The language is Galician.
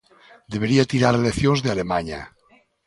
Debería tirar leccións de Alemaña.